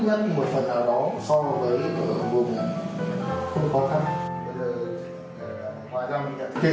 nhưng mà vì công việc mình ở đây cũng có kiếm